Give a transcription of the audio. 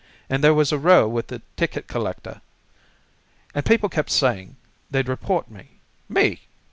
And there was a row with the ticket collector. And people kept saying they'd report me. _Me!